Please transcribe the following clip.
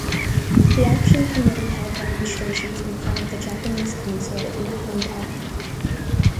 The Action Committee held demonstrations in front of the Japanese consulate in Hong Kong.